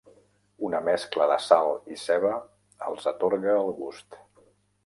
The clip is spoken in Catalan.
Una mescla de sal i ceba els atorga el gust.